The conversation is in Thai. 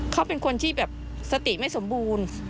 เขาเป็นคนที่แบบสติไม่สมบูรณ์